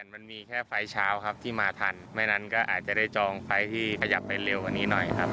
มันมีแค่ไฟล์เช้าครับที่มาทันไม่นั้นก็อาจจะได้จองไฟล์ที่ขยับไปเร็วกว่านี้หน่อยครับ